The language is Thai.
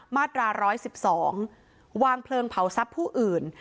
มาตราร้อยสิบสองวางเพลิงเผาทรัพย์ผู้อื่น